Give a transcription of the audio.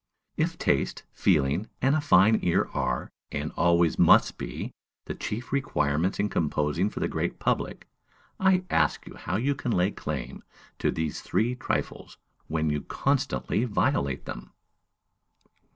If taste, feeling, and a fine ear are, and always must be, the chief requirements in composing for the great public, I ask you how you can lay claim to these three trifles, when you constantly violate them?